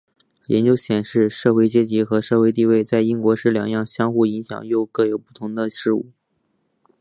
研究显示社会阶级和社会地位在英国是两样相互影响又各有不同的事物。